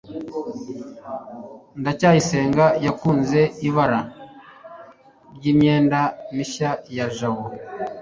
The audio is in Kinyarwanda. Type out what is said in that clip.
ndacyayisenga yakunze ibara ry'imyenda mishya ya jabo